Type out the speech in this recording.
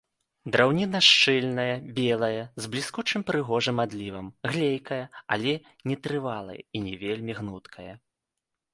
Драўніна шчыльная, белая, з бліскучым прыгожым адлівам, глейкая, але нетрывалая і не вельмі гнуткая.